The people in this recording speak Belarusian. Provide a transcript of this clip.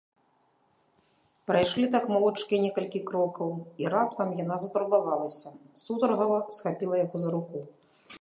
Прайшлі так моўчкі некалькі крокаў, і раптам яна затурбавалася, сутаргава схапіла яго за руку.